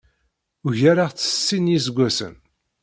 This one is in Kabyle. Ugareɣ-tt s sin n yiseggasen.